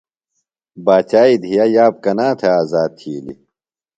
باچائی دیہہ یاب کنا تھےۡ آزاد تِھیلیۡ؟